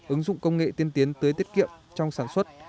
ứng dụng công nghệ tiên tiến tới tiết kiệm trong sản xuất